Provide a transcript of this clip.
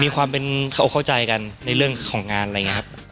มีความเป็นเข้าอกเข้าใจกันในเรื่องของงานอะไรอย่างนี้ครับ